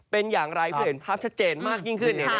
เป็นอย่างไรเพื่อเห็นภาพชัดเจนมากยิ่งขึ้น